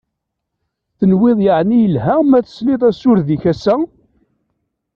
Tenwiḍ yeεni yelha ma telsiḍ asured-ik assa?